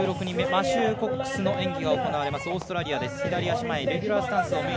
１６人目マシュー・コックスの演技が行われます、オーストラリアです。